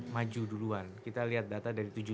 maju duluan kita lihat data dari